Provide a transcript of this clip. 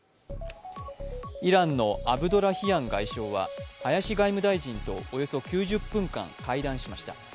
イランのアブドラヒアン外相は林外務大臣とおよそ９０分間、会談しました。